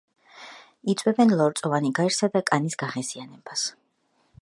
იწვევენ ლორწოვანი გარსისა და კანის გაღიზიანებას.